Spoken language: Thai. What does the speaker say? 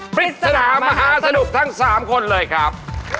ปริศนามหาสนุกทั้ง๓คนเลยครับ